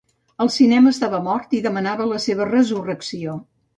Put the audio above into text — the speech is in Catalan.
El cinema estava mort i demanava la seva resurrecció.